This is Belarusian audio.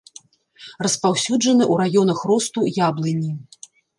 Распаўсюджаны ў раёнах росту яблыні.